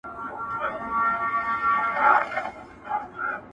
د بلبل په نوم هیچا نه وو بللی.!